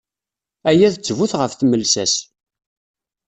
Aya d ttbut ɣef tmelsa-s.